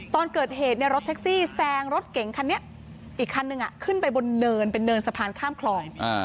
ตอนเกิดเหตุรถแท็กซี่แซงรถเก่งคันนี้อีกคันนึงขึ้นไปบนเนินเป็นเนินสะพานข้ามคลอง